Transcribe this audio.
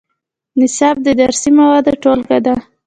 نصاب د درسي موادو ټولګه ده